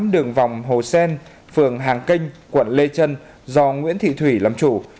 tám đường vòng hồ sen phường hàng kênh quận lê trân do nguyễn thị thủy làm chủ